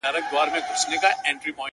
ولي مي هره شېبه هر ساعت پر اور کړوې.